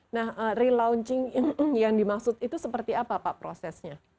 nah relaunching yang dimaksud itu seperti apa pak prosesnya